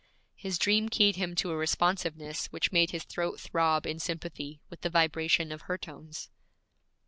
His dream keyed him to a responsiveness which made his throat throb in sympathy with the vibration of her tones.